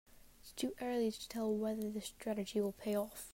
Its too early to tell whether the strategy will pay off.